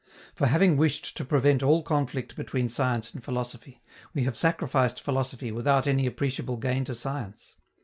For having wished to prevent all conflict between science and philosophy, we have sacrificed philosophy without any appreciable gain to science.